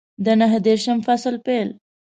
د نهه دېرشم فصل پیل